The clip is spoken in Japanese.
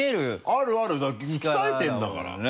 あるあるだって鍛えてるんだから。